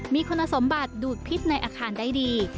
มีคุณสมบัติดูดพิษในอาคารได้ดี